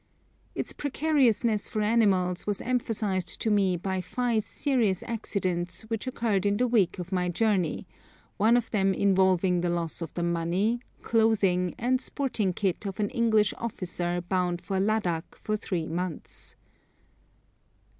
Its precariousness for animals was emphasised to me by five serious accidents which occurred in the week of my journey, one of them involving the loss of the money, clothing, and sporting kit of an English officer bound for Ladakh for three months.